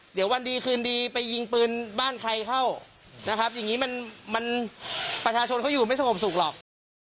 เดี๋ยววันดีคืนดีไปยิงปืนบ้านใครเข้านะครับอย่างนี้มันประชาชนเขาอยู่ไม่สงบสุขหรอก